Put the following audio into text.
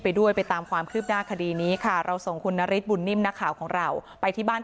ด้วยไปตามความคืบหน้าคดีนี้ค่ะเราส่งคุณนฤทธบุญนิ่มนักข่าวของเราไปที่บ้าน